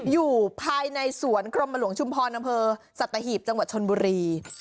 อยู่ภายในสวนกรมหลวงชุมพรอำเภอสัตหีบจังหวัดชนบุรี